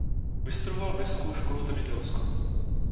Vystudoval Vysokou školu zemědělskou.